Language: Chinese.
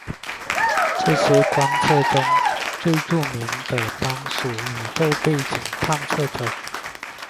这些观测中最著名的当属宇宙背景探测者。